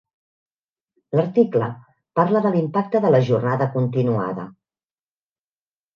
L'article parla de l'impacte de la jornada continuada.